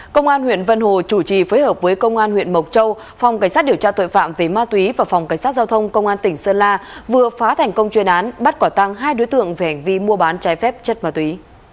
công an huyện vân hồ chủ trì phối hợp với công an huyện mộc châu phòng cảnh sát điều tra tội phạm về ma túy và phòng cảnh sát giao thông công an tỉnh sơn la vừa phá thành công chuyên án bắt quả tăng hai đối tượng về hành vi mua bán trái phép chất ma túy